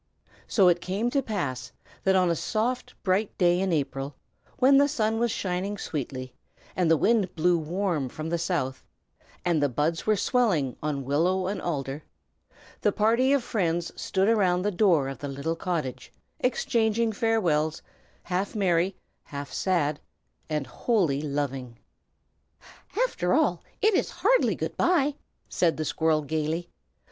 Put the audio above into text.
So it came to pass that on a soft, bright day in April, when the sun was shining sweetly, and the wind blew warm from the south, and the buds were swelling on willow and alder, the party of friends stood around the door of the little cottage, exchanging farewells, half merry, half sad, and wholly loving. "After all, it is hardly good by!" said the squirrel, gayly.